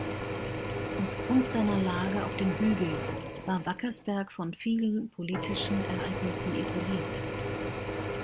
Aufgrund seiner Lage auf dem Hügel war Wackersberg von vielen politischen Ereignissen isoliert.